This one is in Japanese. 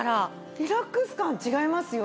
リラックス感違いますよね。